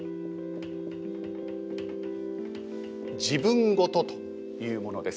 「自分ごと」というものです。